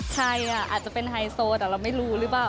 ใครอ่ะอาจจะเป็นไฮโซแต่เราไม่รู้หรือเปล่า